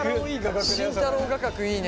慎太郎画角いいね。